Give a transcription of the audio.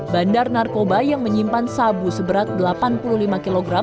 bandar narkoba yang menyimpan sabu seberat delapan puluh lima kg